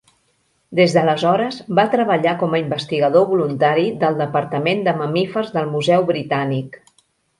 Des d'aleshores, va treballar com a investigador voluntari del departament de mamífers del Museu Britànic.